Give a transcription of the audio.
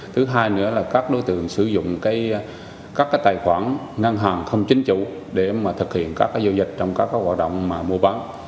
thứ hai nữa là các đối tượng sử dụng các tài khoản ngân hàng không chính chủ để thực hiện các giao dịch trong các hoạt động mua bán